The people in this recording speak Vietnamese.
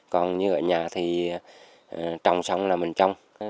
còn như ở nhà thì trồng xong là mình trồng